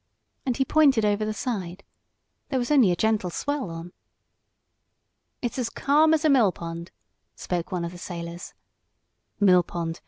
and he pointed over the side. There was only a gentle swell on. "It's as calm as a mill pond," spoke one of the sailors. "Mill pond!